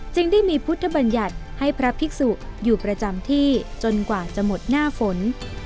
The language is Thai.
ได้มีพุทธบัญญัติให้พระภิกษุอยู่ประจำที่จนกว่าจะหมดหน้าฝน